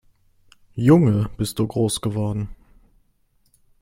Junge, bist du groß geworden